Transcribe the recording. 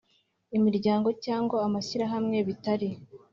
imiryango cyangwa amashyirahamwe bitari